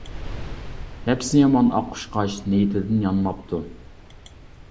نەپسى يامان ئاق قۇشقاچ، نىيىتىدىن يانماپتۇ.